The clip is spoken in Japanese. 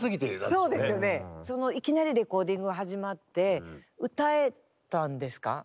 そのいきなりレコーディングが始まって歌えたんですか？